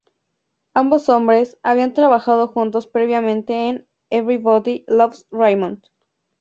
Ambos hombres, habían trabajado juntos previamente en "Everybody Loves Raymond".